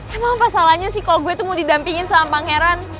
emang pasalanya sih kalo gue tuh mau didampingin sama pangeran